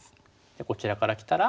こちらからきたら？